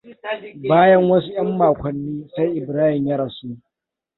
Bayan wasu yan makonni sai Ibrahim ya rasu.